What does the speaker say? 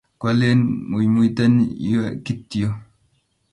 koaleni muimite yue kityo